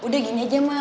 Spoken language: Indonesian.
udah gini aja mah